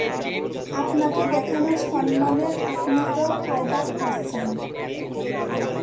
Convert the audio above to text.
আপনাকে দেখানো সম্মানের আপনি তো ফয়দা উঠাচ্ছেন।